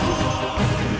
aku akan menang